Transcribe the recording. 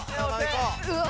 うわ！